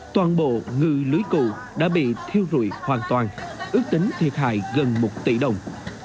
toàn bộ ngư lưới cụ đã bị thiêu rụi hoàn toàn ước tính thiệt hại gần một tỷ đồng